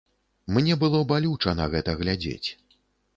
Мне было балюча на гэта глядзець.